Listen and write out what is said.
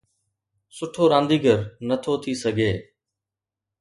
سٺو رانديگر نٿو ٿي سگهي،